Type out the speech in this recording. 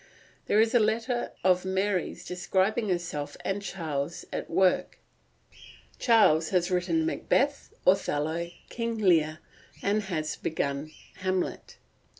There is a letter of Mary's describing herself and Charles at work: "Charles has written Macbeth, Othello, King Lear, and has begun Hamlet.